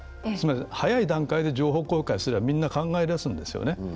早い段階で情報公開すればみんな、考え出すんですね。